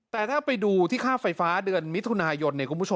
แต่ถ้าไปดูที่ค่าไฟฟ้าเดือนมิถุนายน